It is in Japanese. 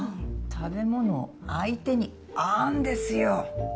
食べ物を相手にあんですよ。